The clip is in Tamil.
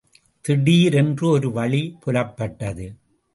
திடீரென்று ஒரு வழி புலப்பட்டது.